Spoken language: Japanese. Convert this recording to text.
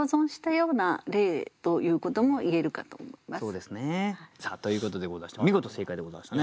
そうですね。ということでございまして見事正解でございましたね。